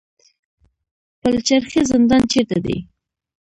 پل چرخي زندان چیرته دی؟